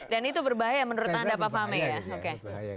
dan itu berbahaya menurut anda pak fahmy ya